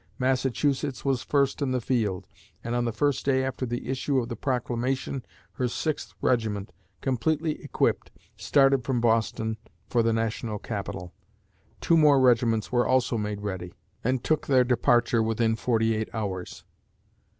Massachusetts was first in the field, and on the first day after the issue of the proclamation her Sixth regiment, completely equipped, started from Boston for the national capital. Two more regiments were also made ready, and took their departure within forty eight hours."